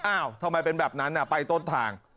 ทำไมเป็นแบบนั้นไปต้นทาง